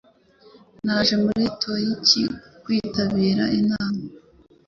Naje muri Tokiyo kwitabira inama.